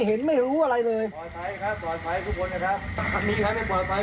พ่อหยิบมีดมาขู่จะทำร้ายแม่แล้วขังสองแม่